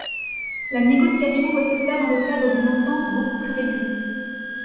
La négociation doit se faire dans le cadre d’une instance beaucoup plus réduite.